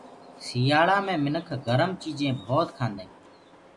سٚيآلآ مي منک گرم چيجينٚ ڀوت کآندآ هينٚ